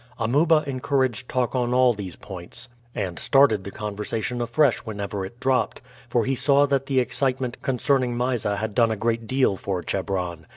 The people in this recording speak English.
Amuba encouraged talk on all these points, and started the conversation afresh whenever it dropped, for he saw that the excitement concerning Mysa had done a great deal for Chebron.